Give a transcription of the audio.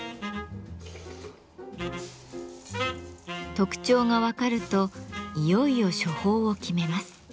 特徴が分かるといよいよ処方を決めます。